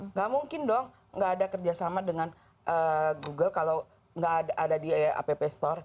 nggak mungkin dong nggak ada kerjasama dengan google kalau nggak ada di app store